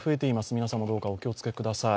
皆様もどうぞお気をつけください。